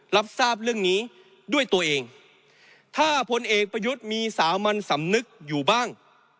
รับทราบเรื่องนี้ด้วยตัวเองถ้าพลเอกประยุทธ์มีสามัญสำนึกอยู่บ้าง